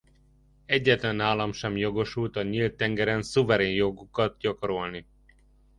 Egyetlen állam sem jogosult a nyílt tengeren szuverén jogokat gyakorolni.